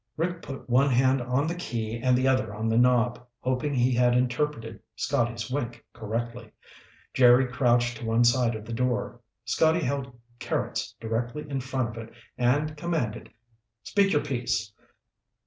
Rick put one hand on the key and the other on the knob, hoping he had interpreted Scotty's wink correctly. Jerry crouched to one side of the door. Scotty held Carrots directly in front of it and commanded: "Speak your piece."